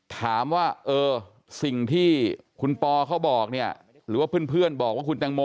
ถามว่าเออสิ่งที่คุณปอเขาบอกเนี่ยหรือว่าเพื่อนบอกว่าคุณแตงโม